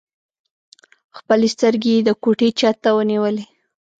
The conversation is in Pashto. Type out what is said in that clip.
خپلې سترګې يې د کوټې چت ته ونيولې.